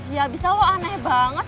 ya abis itu lo aneh banget